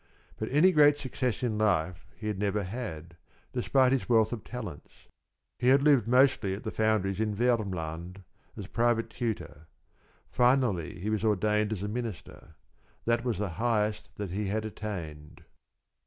But any great success in life he had never had, despite his wealth of talents. He had lived mostly at the foundries in Vermland as private tutor. Finally he was ordained as a minister. This was the highest that he had attained.